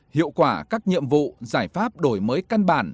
hiệu quả các nhiệm vụ giải pháp đổi mới căn bản